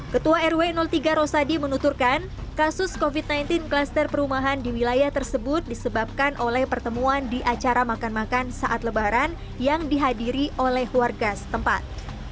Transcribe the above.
ketua rw tiga rosadi menuturkan kasus covid sembilan belas klaster perumahan di wilayah tersebut disebabkan oleh pertemuan di acara makan makan saat lebaran yang dihadiri oleh warga setempat